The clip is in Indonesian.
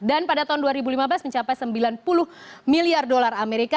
dan pada tahun dua ribu lima belas mencapai sembilan puluh miliar dolar amerika